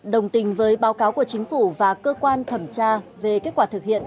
đồng tình với báo cáo của chính phủ và cơ quan thẩm tra về kết quả thực hiện